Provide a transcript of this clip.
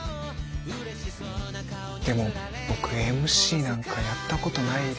でも僕ＭＣなんかやったことないですし。